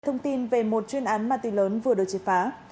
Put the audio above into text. thông tin về một chuyên án ma túy lớn vừa được chếp phá